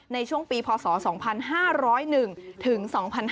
ในช่วงปีพศ๒๕๐๑ถึง๒๕๕๙